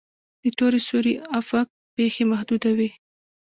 د تور سوري افق پیښې محدوده وي.